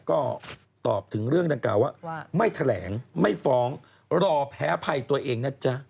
ก็ตอบถึงเรื่องดังกล่าวว่าไม่แถลงไม่ฟ้องรอแพ้ภัยตัวเองนะจ๊ะ